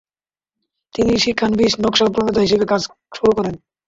তিনি 'শিক্ষানবিশ নকশা প্রণেতা' হিসেবে কাজ শুরু করেন।